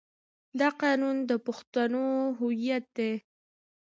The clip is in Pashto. دا قانون د پښتنو هویت دی.